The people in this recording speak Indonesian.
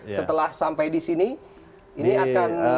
setelah sampai di sini ini akan